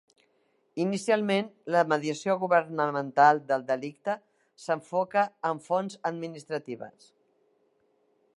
Inicialment, la mediació governamental del delicte s’enfoca en fonts administratives.